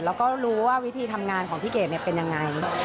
แล้วก็รู้ว่าวิธีทำงานของพี่เกดเป็นยังไง